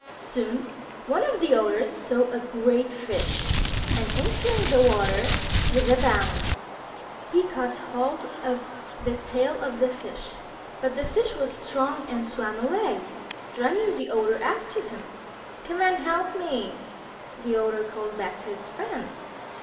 Soon one of the Otters saw a great fish, and entering the water with a bound, he caught hold of the tail of the fish. But the fish was strong and swam away, dragging the Otter after him. "Come and help me," the Otter called back to his friend.